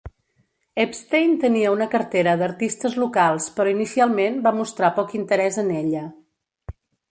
Epstein tenia una cartera d'artistes locals però inicialment va mostrar poc interès en ella.